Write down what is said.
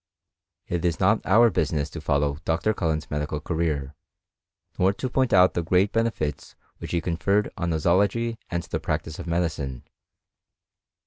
It is not our business to follow Dr. Cullen's medical career, nor to point out the great benefits which he conferred on nosology and the practice of medicine.